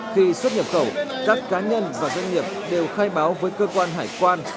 khi xuất nhập khẩu các cá nhân và doanh nghiệp đều khai báo với cơ quan hải quan